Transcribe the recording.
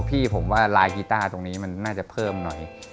พี่ผมว่าลายกีต้าตรงนี้มันน่าจะเพิ่มหน่อย